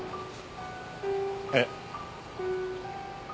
えっ？